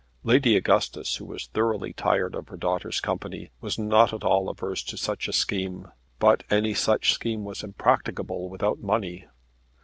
Lady Augustus, who was thoroughly tired of her daughter's company, was not at all averse to such a scheme; but any such scheme was impracticable without money.